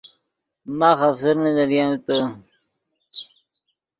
ماخ آفسرنے لریم تے